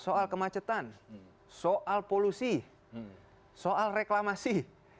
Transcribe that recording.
soal kemacetan soal polusi soal reklamasi